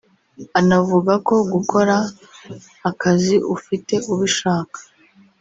Anavuga ko gukora akazi ufite ubishaka